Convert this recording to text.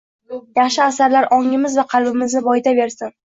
Yaxshi asarlar ongimiz va qalbimizni boyitaversin